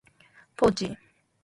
ポーチ、